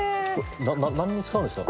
何に使うんですか？